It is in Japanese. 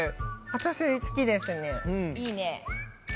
いいね。